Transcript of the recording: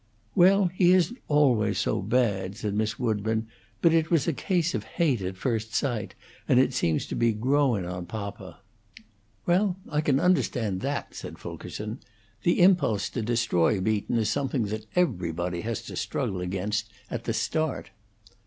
"Well, he isn't always so bad," said Miss Woodburn. "But it was a case of hate at first sight, and it seems to be growin' on papa." "Well, I can understand that," said Fulkerson. "The impulse to destroy Beaton is something that everybody has to struggle against at the start."